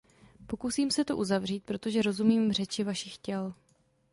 Pokusím se to uzavřít, protože rozumím řeči vašich těl.